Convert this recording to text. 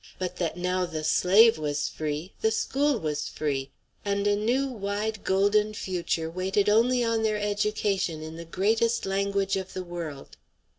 But that now the slave was free, the school was free, and a new, wide, golden future waited only on their education in the greatest language of the world.